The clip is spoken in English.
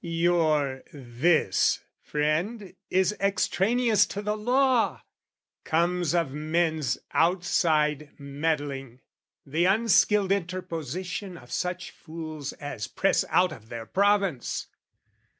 Your "this," friend, is extraneous to the law, Comes of men's outside meddling, the unskilled Interposition of such fools as press Out of their province.